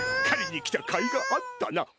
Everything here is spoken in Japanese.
狩りに来たかいがあったな。